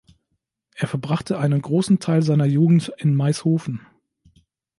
Er verbrachte einen großen Teil seiner Jugend in Maishofen.